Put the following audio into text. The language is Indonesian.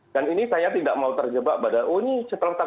dan ini saya tidak mau terjebak pada oh ini setelah ini